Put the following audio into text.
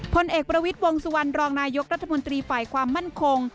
พลเอกประวิทย์วงสุวรรณรองนายกรัฐมนตรีฝ่ายความมั่นคง